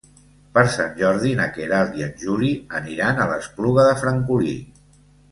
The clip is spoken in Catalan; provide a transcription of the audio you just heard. Per Sant Jordi na Queralt i en Juli aniran a l'Espluga de Francolí.